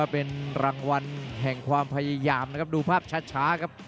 พยายามนะครับดูภาพชัดครับ